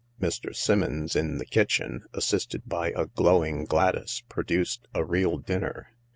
Mr. Simmons in the kitchen, assisted by a glowing Gladys, produced a real dinner.